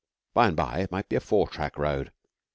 By and by it might be a four track road.